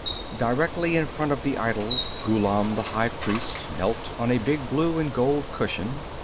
Directly in front of the idol, Ghullam the high priest knelt on a big blue and gold cushion.